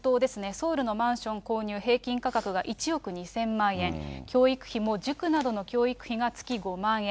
ソウルのマンション購入平均価格が１億２０００万円、教育費も塾などの教育費が月５万円。